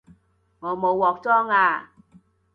我冇鑊裝吖